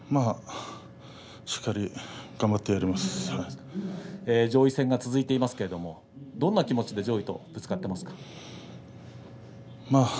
しっかり頑張ってやり上位戦が続いていますけれどもどんな気持ちで上位とぶつかっていますか。